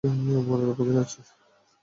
মরার অপেক্ষায় আছি।